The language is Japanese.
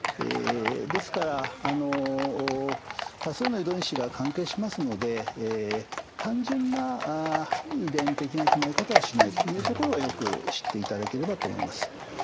ですから多数の遺伝子が関係しますので単純な遺伝的な決まり方はしないというところはよく知っていただければと思います。